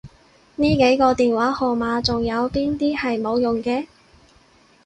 呢幾個電話號碼仲有邊啲係冇用嘅？